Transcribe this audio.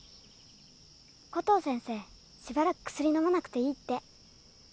コトー先生しばらく薬のまなくていいって。